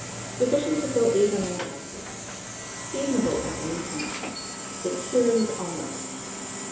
Sufficient to fill 8 or 9 glasses. Seasonable at any time. THE CURE'S OMELET.